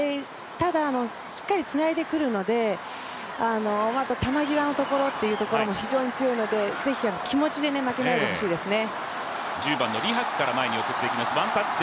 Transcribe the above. しっかりつないでくるので、球際も非常に強いので、ぜひ気持ちで負けないでほしいですね。